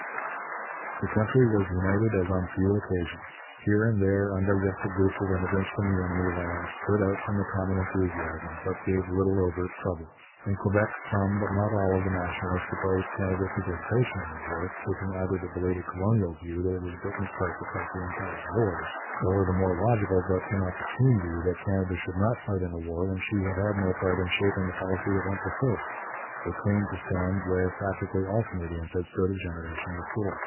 The country was united as on few occasions. Here and there undigested groups of immigrants from the enemy lands stood out from the common enthusiasm, but gave little overt trouble. In Quebec some, but not all, of the Nationalists opposed Canada's participation in the war, taking either the belated colonial view that it was Britain's part to fight the Empire's wars, or the more logical but inopportune view that Canada should not fight in a war when she had had no part in shaping the policy that went before it. They claimed to stand where practically all Canadians had stood a generation before.